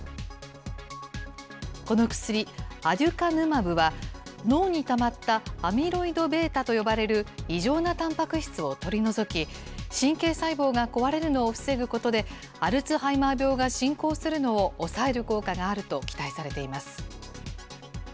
この薬、アデュカヌマブは、脳にたまったアミロイドβと呼ばれる異常なたんぱく質を取り除き、神経細胞が壊れるのを防ぐことで、アルツハイマー病が進行するのを抑える効果があると期待されています。